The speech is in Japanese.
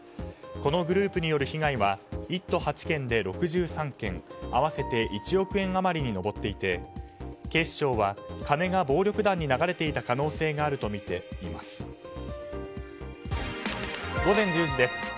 このグループによる被害は１都８県で６３件合わせて１億円余りに上っていて警視庁は金が暴力団に流れた可能性があるとみています。